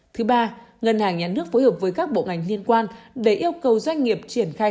thứ ba ngân hàng nhà nước phối hợp với các bộ ngành liên quan để yêu cầu doanh nghiệp triển khai